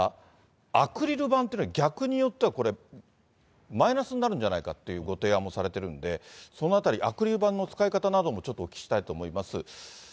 アクリル板というのは逆によっては、マイナスになるんじゃないかっていうご提案もされているんで、そのあたり、アクリル板の使い方についてもちょっとお聞きしたいと思います。